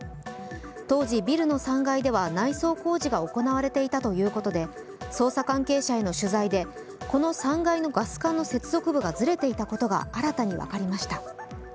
当時、ビルの３階では内装工事が行われていたということで、捜査関係者への取材で、この３階のガス管の接続部がずれていたことが新たに分かりました。